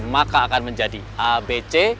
maka akan menjadi abc